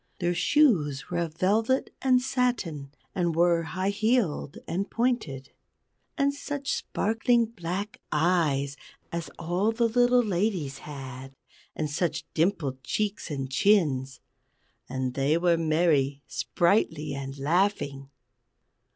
Their shoes were of velvet and satin, and were high heeled and pointed. And such sparkling black eyes as all the little ladies had, and such dimpled cheeks and chins! And they were merry, sprightly, and laughing.